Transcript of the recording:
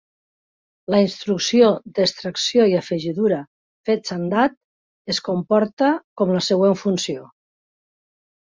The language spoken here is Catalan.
La instrucció d'extracció i afegidura "fetch-and-add" es comporta com la següent funció.